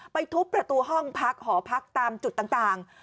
ทุบประตูห้องพักหอพักตามจุดต่าง